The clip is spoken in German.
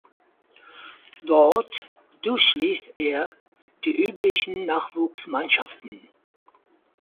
Dort durchlief er die üblichen Nachwuchsmannschaften.